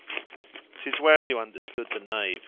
"'Tis well you understood the knave!"